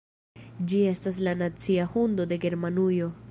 Ĝi estas la nacia hundo de Germanujo.